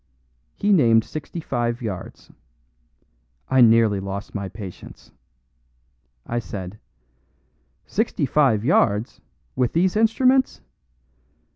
He named sixty five yards. I nearly lost my patience. I said: "Sixty five yards, with these instruments?